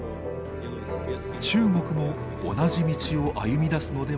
中国も同じ道を歩みだすのではないか。